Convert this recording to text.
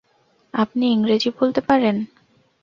আপনি ইংরেজি বলতে পারেন?